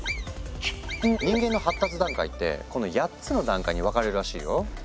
人間の発達段階ってこの８つの段階に分かれるらしいよ。